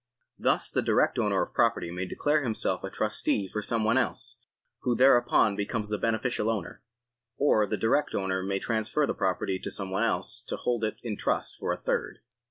Thus the direct owner of property may declare himself a trustee for some one else, who thereupon becomes the beneficial owner ; or the direct owner may transfer the property to some one else, to hold it in trust for a third.